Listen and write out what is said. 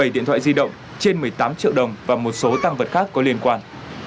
một mươi điện thoại di động trên một mươi tám triệu đồng và một số tăng vật khác có liên quan